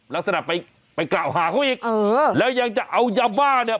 ลักษณะไปไปกล่าวหาเขาอีกเออแล้วยังจะเอายาบ้าเนี่ย